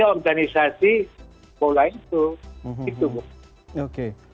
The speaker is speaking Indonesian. organisasi bola itu